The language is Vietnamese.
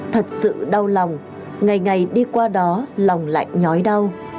thật sự đau lòng ngày ngày đi qua đó lòng lại nhói đau